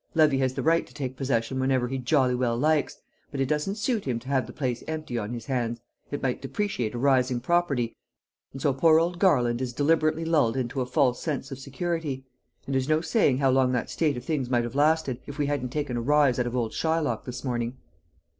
Levy has the right to take possession whenever he jolly well likes; but it doesn't suit him to have the place empty on his hands, it might depreciate a rising property, and so poor old Garland is deliberately lulled into a false sense of security. And there's no saying how long that state of things might have lasted if we hadn't taken a rise out of old Shylock this morning."